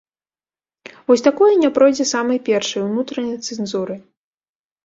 Вось такое не пройдзе самай першай, унутранай, цэнзуры.